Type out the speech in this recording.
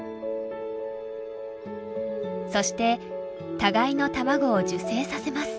そして互いの卵を受精させます。